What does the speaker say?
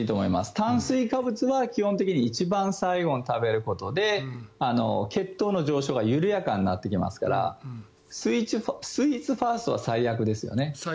炭水化物は基本的に一番最後に食べることで血糖の上昇が緩やかになってきますからスイーツファーストは最悪ですよね。